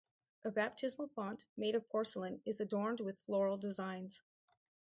A baptismal font made of porcelain is adorned with floral designs.